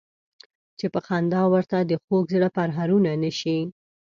چې په خندا ورته د خوږ زړه پرهارونه نه شي.